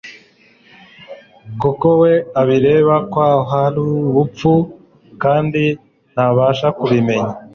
kuko we abireba nkahw ar ubupfu kandi ntabasha kubimenya